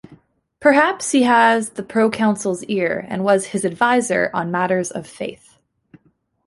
Perhaps he had the proconsul's ear and was his advisor on matters of faith.